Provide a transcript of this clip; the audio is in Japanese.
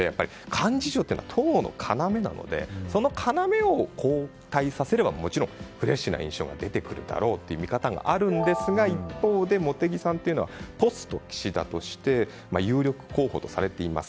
幹事長というのは党の要なのでその要を交代させればフレッシュな印象が出てくるだろうという見方があるんですが一方で、茂木さんというのはポスト岸田として有力候補とされています。